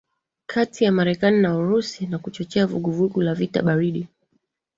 Kati ya Marekani na Urusi na kuchochea vuguvugu la vita baridi